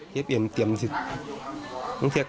เริ่มเริ่มเกินไปค่ะ